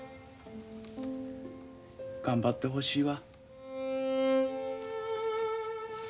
頑張ってほしいわ。